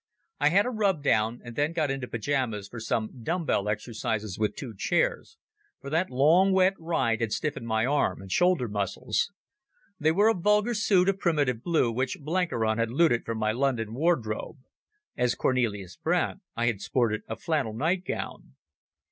I had a rubdown and then got into pyjamas for some dumb bell exercises with two chairs, for that long wet ride had stiffened my arm and shoulder muscles. They were a vulgar suit of primitive blue, which Blenkiron had looted from my London wardrobe. As Cornelis Brandt I had sported a flannel nightgown.